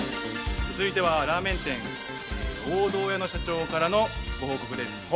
続いてはラーメン店王道家の社長からのご報告です。